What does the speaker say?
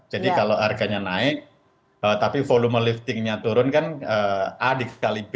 jadi kalau harganya naik tapi volume liftingnya turun kan a dikali b